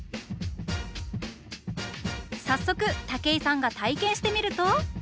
早速武井さんが体験してみると。